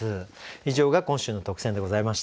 以上が今週の特選でございました。